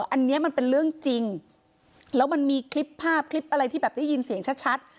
อันนี้มันเป็นเรื่องจริงแล้วมันมีคลิปภาพคลิปอะไรที่แบบได้ยินเสียงชัด